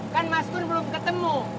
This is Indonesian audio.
kan mas kur belum ketemu